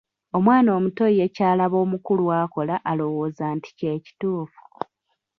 Omwana omuto ye ky’alaba omukulu akola alowooza nti kye kituufu.